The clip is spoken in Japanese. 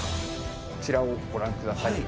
こちらをご覧ください。